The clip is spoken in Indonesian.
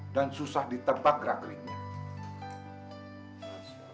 dan susah diterbak gerak geriknya